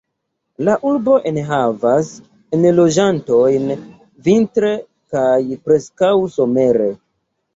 La urbo enhavas enloĝantojn vintre, kaj preskaŭ somere.